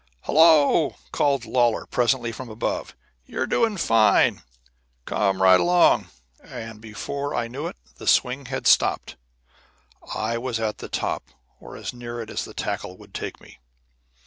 "Hello!" called Lawlor presently, from above. "You're doing fine. Come right along." And before I knew it the swing had stopped. I was at the top, or as near it as the tackle could take me.